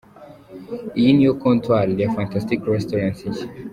Iyi ni yo 'Comptoir' ya Fantastic restaurant nshya.